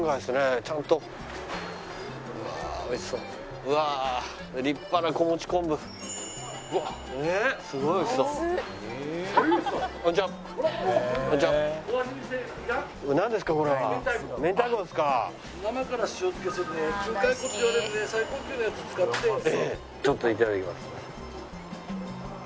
ちょっといただきます。